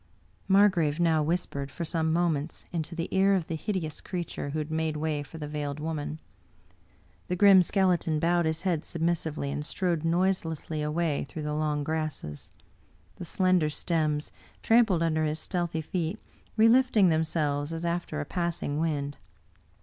Margrave now whispered, for some moments, into the ear of the hideous creature who had made way for the Veiled Woman. The grim skeleton bowed his head submis sively, and strode noiselessly away through the long grasses — ^the slender stems, trampled under his stealthy feet, relift ing themselves as after a passing wind.